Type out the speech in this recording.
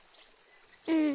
うん。